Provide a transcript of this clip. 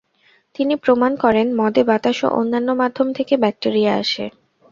তিনি প্রমাণ করেন, মদে বাতাস ও অন্যান্য মাধ্যম থেকে ব্যাক্টেরিয়া আসে।